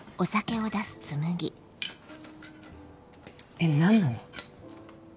えっ何なの？